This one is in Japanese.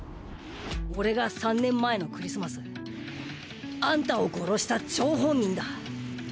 俺が３年前のクリスマスアンタを殺した張本人だ。